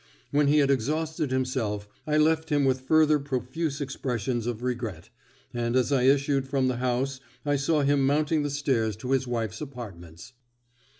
When he had exhausted himself, I left him with further profuse expressions of regret, and as I issued from the house I saw him mounting the stairs to his wife's apartments.